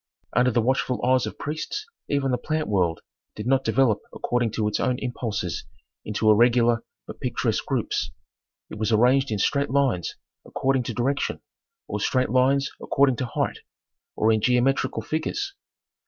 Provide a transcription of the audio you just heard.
Under the watchful eyes of priests even the plant world did not develop according to its own impulses into irregular but picturesque groups; it was arranged in straight lines according to direction, or straight lines according to height, or in geometrical figures.